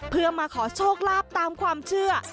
เพื่อมาขอโชคลาภตามความเชื่อ